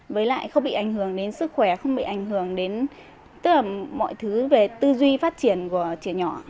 với lại không bị ảnh hưởng đến sức khỏe không bị ảnh hưởng đến tất cả mọi thứ về tư duy phát triển của chị nhỏ